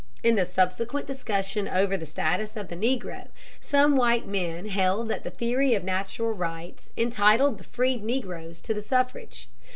In the subsequent discussion over the status of the Negro, some white men held that the theory of natural rights entitled the freed Negroes to the suffrage.